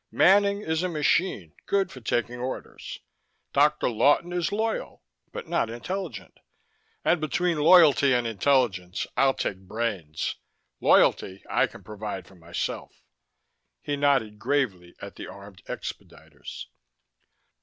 Manning is a machine, good for taking orders. Dr. Lawton is loyal, but not intelligent. And between loyalty and intelligence, I'll take brains. Loyalty I can provide for myself." He nodded gravely at the armed expediters.